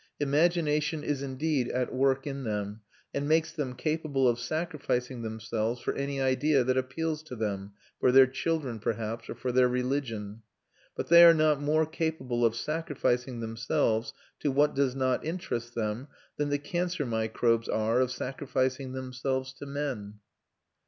Imagination is indeed at work in them, and makes them capable of sacrificing themselves for any idea that appeals to them, for their children, perhaps, or for their religion. But they are not more capable of sacrificing themselves to what does not interest them than the cancer microbes are of sacrificing themselves to men.